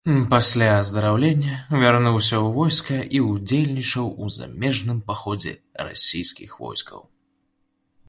Пасля аздараўлення вярнуўся ў войска і ўдзельнічаў у замежным паходзе расійскіх войскаў.